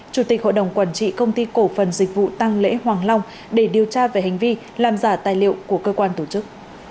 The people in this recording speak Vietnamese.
chủ tịch hội đồng quản trị công ty cổ phần dịch vụ tăng lễ hoàng long để điều tra về hành vi làm giả tài liệu của cơ quan tổ chức